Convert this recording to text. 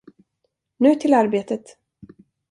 Nu till arbetet!